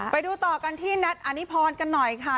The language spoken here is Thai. ไปดูต่อกันที่แนทอนิพรกันหน่อยค่ะ